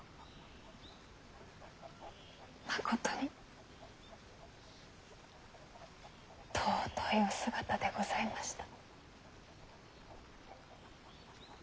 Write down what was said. まことに尊いお姿でございました。